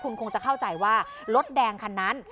คุณคงจะเข้าใจว่ารถแดงคันนั้น